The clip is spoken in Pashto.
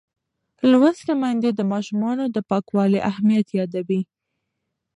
لوستې میندې د ماشومانو د پاکوالي اهمیت یادوي.